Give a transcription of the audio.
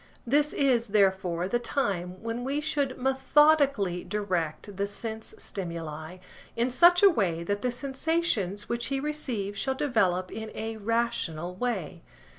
This is, therefore, the time when we should methodically direct the sense stimuli, in such a way that the sensations which he receives shall develop in a rational way.